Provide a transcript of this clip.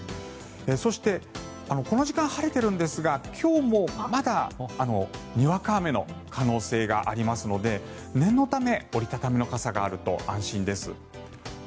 そしてこの時間晴れているんですが今日もまだにわか雨の可能性がありますので念のため折り畳みの傘があると安心です。